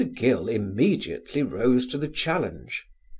Gill immediately rose to the challenge.